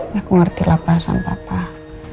ya aku ngertilah perasaan bapak